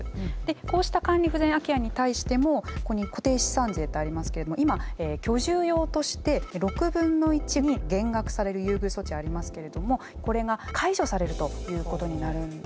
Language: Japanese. こうした管理不全空き家に対してもここに固定資産税ってありますけれども今居住用として６分の１に減額される優遇措置ありますけれどもこれが解除されるということになるんですね。